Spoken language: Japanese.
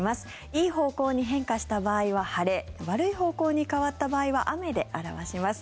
いい方向に変化した場合は晴れ悪い方向に変わった場合は雨で表します。